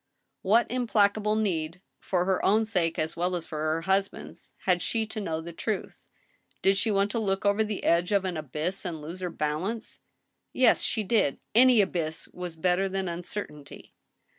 What implacable need, for her own sake as well as for her hus band's, had she to know the truth ? Did she want to look over the edge of an abyss and lose her balance ? Yes— she did. Any abyss was better than uncertainty.